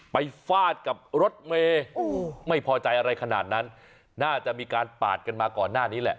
ฟาดกับรถเมย์ไม่พอใจอะไรขนาดนั้นน่าจะมีการปาดกันมาก่อนหน้านี้แหละ